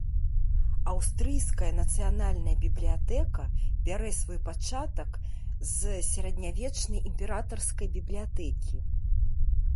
Аўстрыйская нацыянальная бібліятэка бярэ свой пачатак з сярэднявечнай імператарскай бібліятэкі.